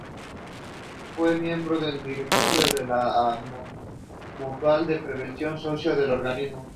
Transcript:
Fue miembro del directorio de la Mutual de Previsión Social del organismo.